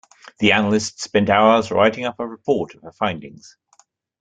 The analyst spent hours writing up a report of her findings.